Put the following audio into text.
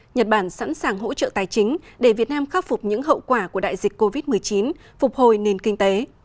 nhật bản sẵn sàng hỗ trợ tài chính để việt nam khắc phục những hậu quả của đại dịch covid một mươi chín phục hồi nền kinh tế